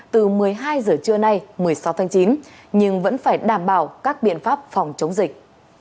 từ một mươi hai giờ trưa nay một mươi sáu tháng chín nhưng vẫn phải đảm bảo các biện pháp phòng chống dịch